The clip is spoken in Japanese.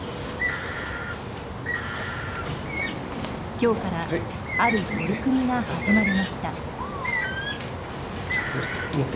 今日からある取り組みが始まりました。